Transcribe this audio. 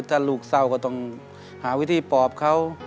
ถ้าลูกเศร้าก็ต้องหาวิธีปอบเขา